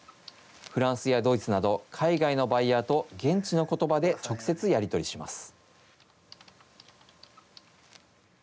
フランスやドイツなど、海外のバイヤーと現地のことばで直接やり取りします。